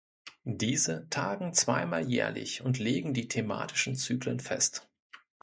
Diese tagen zweimal jährlich und legen die thematischen Zyklen fest.